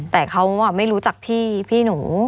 แต่เขาไม่รู้จักพี่หนู